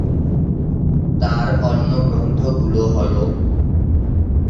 তার অন্য গ্রন্থগুলো হলো-